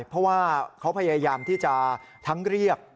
เพราะว่าเขาพยายามที่จะทั้งเรียก